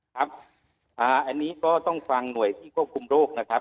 ครับอันนี้ก็ต้องฟังหน่วยที่ควบคุมโรคนะครับ